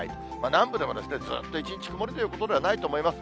南部でも、ずっと一日曇りということではないと思います。